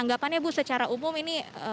coba jawabannya ibu secara umum ini